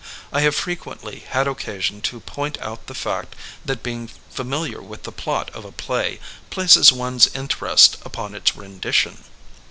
I have frequently had occasion to point out the fact that being familiar with the plot of a play places one's interest upon its rendition.